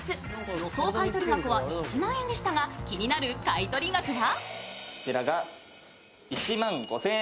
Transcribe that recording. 予想買取額は１万円でしたが気になる買取額は？